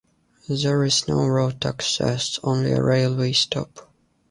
There is no road access, only a railway stop.